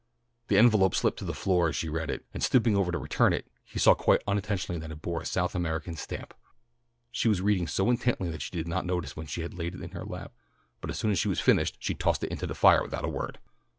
The envelope slipped to the floor as she read, and stooping over to return it, he saw quite unintentionally that it bore a South American stamp. She was reading so intently that she did not notice when he laid it in her lap, but as soon as she finished she tossed it into the fire without a word.